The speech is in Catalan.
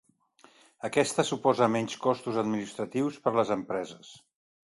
Aquesta suposa menys costos administratius per a les empreses.